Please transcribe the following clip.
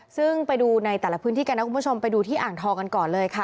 ซึ่งไปดูในแต่ละพื้นที่กันนะคุณผู้ชมไปดูที่อ่างทองกันก่อนเลยค่ะ